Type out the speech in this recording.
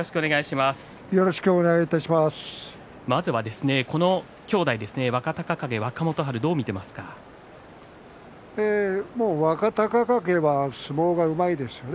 まずはこの兄弟若隆景、若元春を若隆景は相撲がうまいですよね。